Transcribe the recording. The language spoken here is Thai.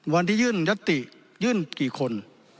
วันที่ยื่นยัตติยื่นกี่คน